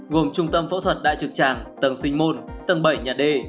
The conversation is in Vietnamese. gồm trung tâm phẫu thuật đại trực tràng tầng sinh môn tầng bảy nhà d